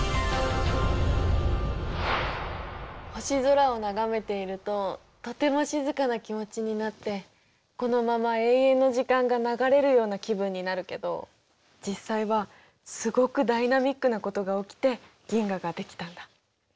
星空を眺めているととても静かな気持ちになってこのまま永遠の時間が流れるような気分になるけど実際はすごくダイナミックなことが起きて銀河が出来たんだ。